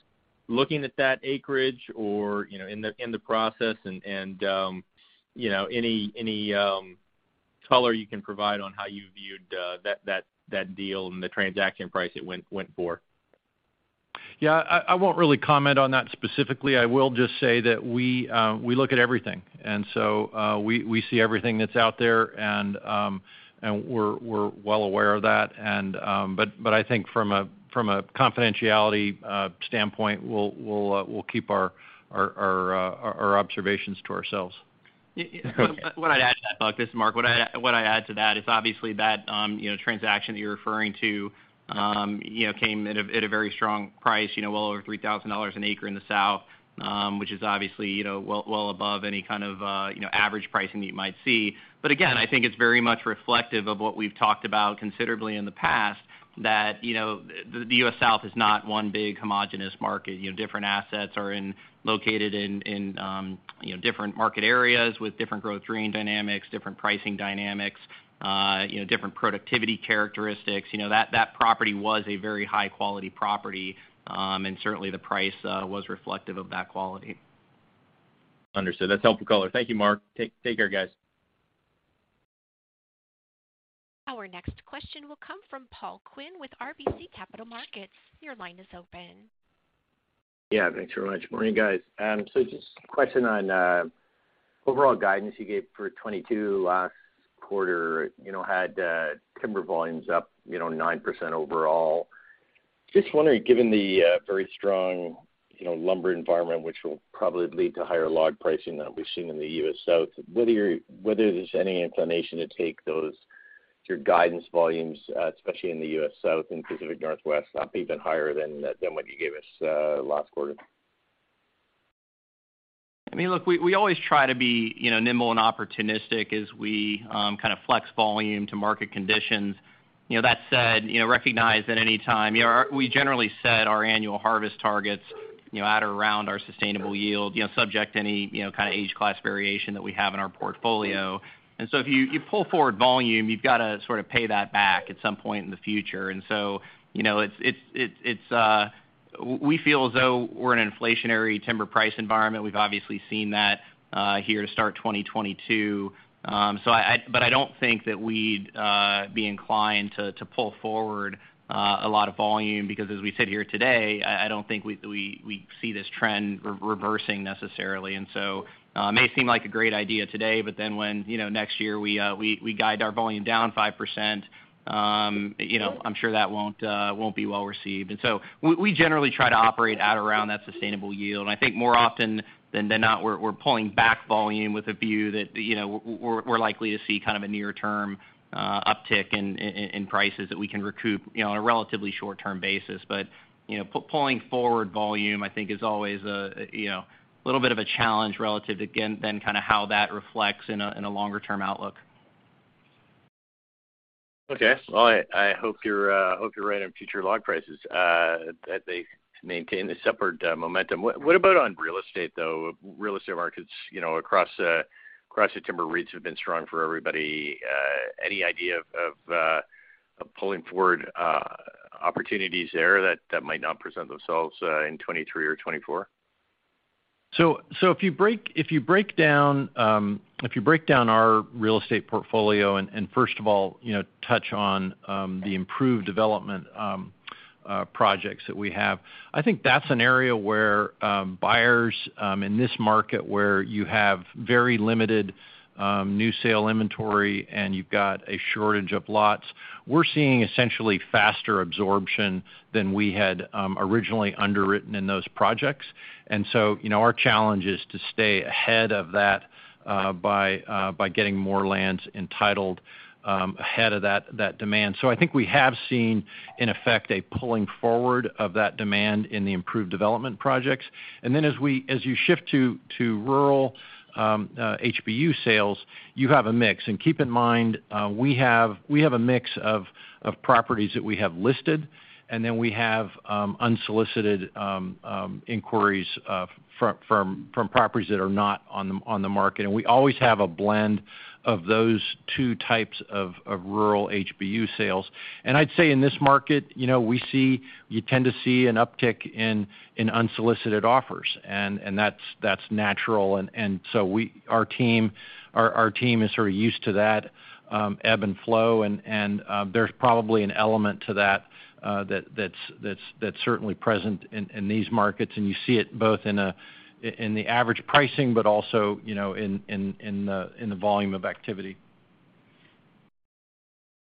looking at that acreage or, you know, in the process? You know, any color you can provide on how you viewed that deal and the transaction price it went for? Yeah, I won't really comment on that specifically. I will just say that we look at everything, and so we see everything that's out there, and we're well aware of that. But I think from a confidentiality standpoint, we'll keep our observations to ourselves. What I'd add to that, Buck, this is Mark. What I'd add to that is obviously that, you know, transaction that you're referring to, you know, came at a very strong price, you know, well over $3,000 an acre in the South, which is obviously, you know, well above any kind of, you know, average pricing that you might see. I think it's very much reflective of what we've talked about considerably in the past, that, you know, the U.S. South is not one big homogeneous market. You know, different assets are located in, you know, different market areas with different growth range dynamics, different pricing dynamics, you know, different productivity characteristics. You know, that property was a very high-quality property, and certainly the price was reflective of that quality. Understood. That's helpful color. Thank you, Mark. Take care, guys. Our next question will come from Paul Quinn with RBC Capital Markets. Your line is open. Yeah, thanks very much. Morning, guys. So just a question on overall guidance you gave for 2022 last quarter. You know, had timber volumes up 9% overall. Just wondering, given the very strong lumber environment, which will probably lead to higher log pricing than we've seen in the U.S. South, whether there's any inclination to take those, your guidance volumes, especially in the U.S. South and Pacific Northwest, up even higher than what you gave us last quarter? I mean, look, we always try to be, you know, nimble and opportunistic as we kind of flex volume to market conditions. You know, that said, you know, we recognize that any time we generally set our annual harvest targets, you know, at around our sustainable yield, you know, subject to any, you know, kind of age class variation that we have in our portfolio. If you pull forward volume, you've got to sort of pay that back at some point in the future. You know, we feel as though we're in an inflationary timber price environment. We've obviously seen that here to start 2022. I don't think that we'd be inclined to pull forward a lot of volume because as we sit here today, I don't think we see this trend reversing necessarily. It may seem like a great idea today, but then when, you know, next year we guide our volume down 5%, you know, I'm sure that won't be well received. We generally try to operate at around that sustainable yield. I think more often than not, we're pulling back volume with a view that, you know, we're likely to see kind of a near-term uptick in prices that we can recoup, you know, on a relatively short-term basis. You know, pulling forward volume, I think is always a, you know, a little bit of a challenge relative, again, to how that reflects in a longer-term outlook. Okay. Well, I hope you're right on future log prices that they maintain this upward momentum. What about on real estate, though? Real estate markets, you know, across the timber REITs have been strong for everybody. Any idea of pulling forward opportunities there that might not present themselves in 2023 or 2024? If you break down our real estate portfolio and first of all, you know, touch on the improved development projects that we have, I think that's an area where buyers in this market where you have very limited new sale inventory and you've got a shortage of lots, we're seeing essentially faster absorption than we had originally underwritten in those projects. You know, our challenge is to stay ahead of that by getting more lands entitled ahead of that demand. I think we have seen in effect a pulling forward of that demand in the improved development projects. As you shift to rural HBU sales, you have a mix. Keep in mind, we have a mix of properties that we have listed, and then we have unsolicited inquiries from properties that are not on the market. We always have a blend of those two types of rural HBU sales. I'd say in this market, you know, we see, you tend to see an uptick in unsolicited offers, and that's natural. So our team is sort of used to that ebb and flow. There's probably an element to that that's certainly present in these markets. You see it both in the average pricing, but also, you know, in the volume of activity.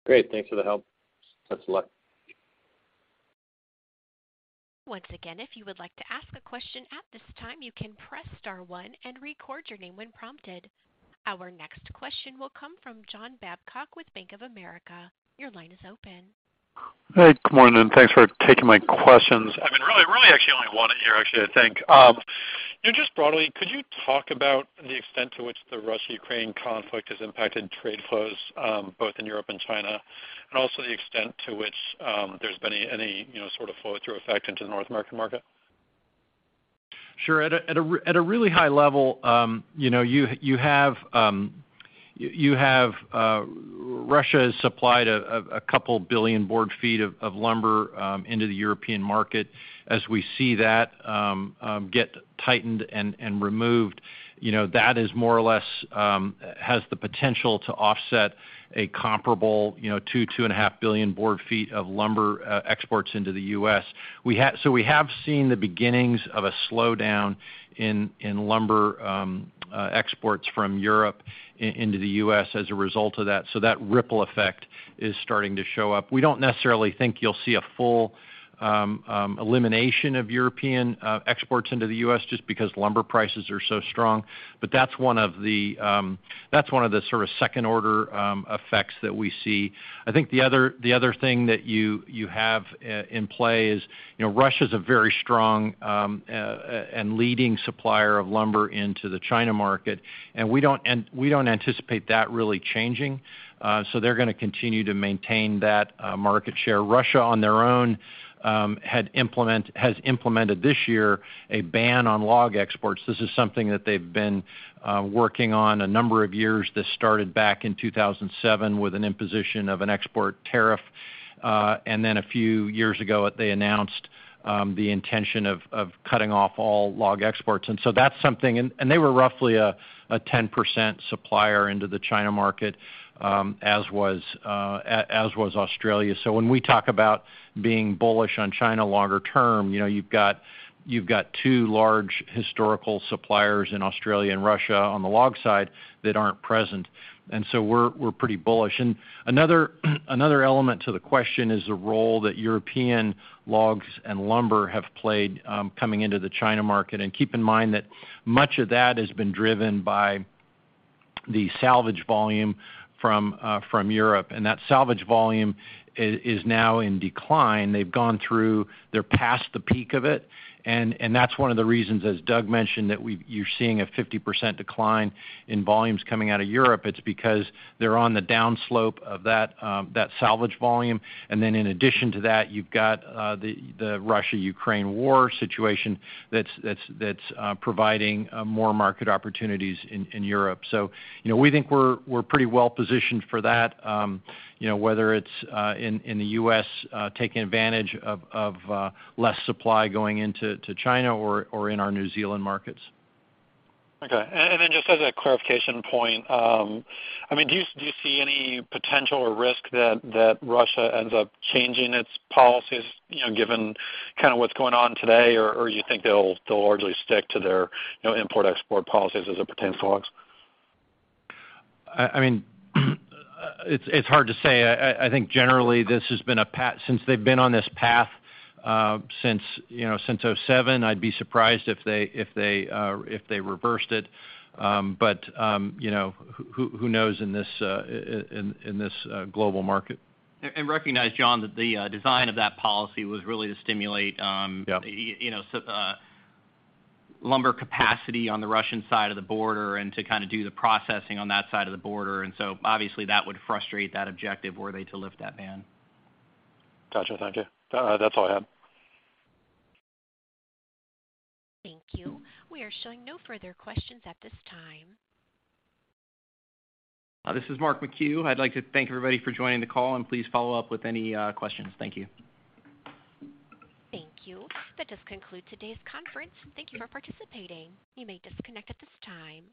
Great. Thanks for the help. Thanks a lot. Once again, if you would like to ask a question at this time, you can press star one and record your name when prompted. Our next question will come from John Babcock with Bank of America. Your line is open. Hey, good morning, and thanks for taking my questions. I mean, really actually only one here actually, I think. You know, just broadly, could you talk about the extent to which the Russia-Ukraine conflict has impacted trade flows, both in Europe and China, and also the extent to which, there's been any, you know, sort of flow-through effect into the North American market? Sure. At a really high level, you know, you have Russia has supplied 2 billion board ft of lumber into the European market. As we see that get tightened and removed, you know, that is more or less has the potential to offset a comparable, you know, 2.5 billion board ft of lumber exports into the U.S. We have seen the beginnings of a slowdown in lumber exports from Europe into the U.S. as a result of that. That ripple effect is starting to show up. We don't necessarily think you'll see a full elimination of European exports into the U.S. just because lumber prices are so strong. That's one of the sort of second order effects that we see. I think the other thing that you have in play is, you know, Russia's a very strong and leading supplier of lumber into the China market, and we don't anticipate that really changing. They're gonna continue to maintain that market share. Russia, on their own, has implemented this year a ban on log exports. This is something that they've been working on a number of years that started back in 2007 with an imposition of an export tariff. A few years ago, they announced the intention of cutting off all log exports. That's something. They were roughly a 10% supplier into the China market, as was Australia. When we talk about being bullish on China longer term, you know, you've got two large historical suppliers in Australia and Russia on the log side that aren't present. We're pretty bullish. Another element to the question is the role that European logs and lumber have played, coming into the China market. Keep in mind that much of that has been driven by the salvage volume from Europe, and that salvage volume is now in decline. They've gone through. They're past the peak of it, and that's one of the reasons, as Doug mentioned, that you're seeing a 50% decline in volumes coming out of Europe. It's because they're on the down slope of that salvage volume. Then in addition to that, you've got the Russia-Ukraine war situation that's providing more market opportunities in Europe. You know, we think we're pretty well-positioned for that, you know, whether it's in the U.S., taking advantage of less supply going into China or in our New Zealand markets. Okay. Just as a clarification point, I mean, do you see any potential or risk that Russia ends up changing its policies, you know, given kinda what's going on today, or you think they'll largely stick to their, you know, import-export policies as it pertains to logs? I mean, it's hard to say. I think generally this has been a path since they've been on this path, since, you know, since 2007, I'd be surprised if they reversed it. You know, who knows in this global market. Recognize, John, that the design of that policy was really to stimulate. Yeah. You know, lumber capacity on the Russian side of the border and to kinda do the processing on that side of the border. Obviously that would frustrate that objective were they to lift that ban. Gotcha. Thank you. That's all I have. Thank you. We are showing no further questions at this time. This is Mark McHugh. I'd like to thank everybody for joining the call, and please follow up with any questions. Thank you. Thank you. That does conclude today's conference. Thank you for participating. You may disconnect at this time.